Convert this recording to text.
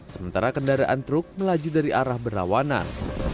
sementara kendaraan truk melaju dari arah berlawanan